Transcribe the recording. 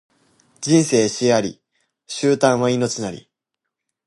人生死あり、終端は命なり